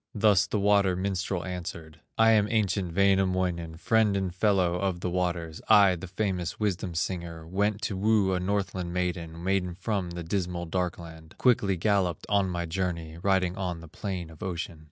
Thus the water minstrel answered: "I am ancient Wainamoinen, Friend and fellow of the waters, I, the famous wisdom singer; Went to woo a Northland maiden, Maiden from the dismal Darkland, Quickly galloped on my journey, Riding on the plain of ocean.